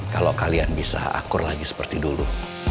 kalau kalian bisa akur lagi seperti dulu